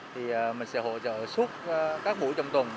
thì mình sẽ hỗ trợ suốt các buổi trong tuần